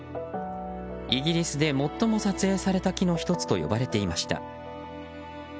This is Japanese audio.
イギリスで最も撮影された木の１つと呼ばれていました。